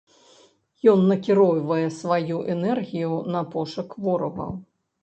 Ён накіроўвае сваю энергію на пошук ворагаў.